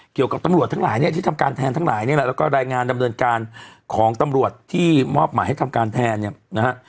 เกี่ยวกับตำรวจทั้งหลายเนี่ยที่ทำการแทนทั้งหลายเนี่ยแหละแล้วก็รายงานดำเนินการของตำรวจที่มอบหมายให้ทำการแทนเนี่ยนะฮะ